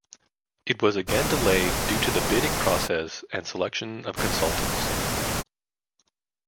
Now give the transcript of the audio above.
It was again delayed due to the bidding process and selection of consultants.